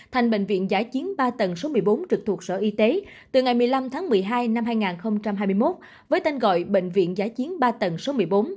thành bệnh viện giã chiến ba tầng số một mươi bốn trực thuộc sở y tế từ ngày một mươi năm tháng một mươi hai năm hai nghìn hai mươi một với tên gọi bệnh viện giã chiến ba tầng số một mươi bốn